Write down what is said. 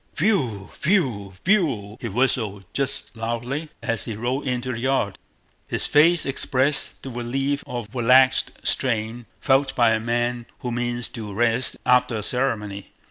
"Whew... whew... whew!" he whistled just audibly as he rode into the yard. His face expressed the relief of relaxed strain felt by a man who means to rest after a ceremony.